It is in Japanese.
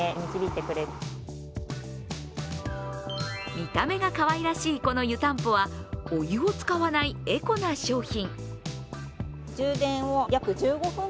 見た目がかわいらしいこの湯たんぽはお湯を使わないエコな商品。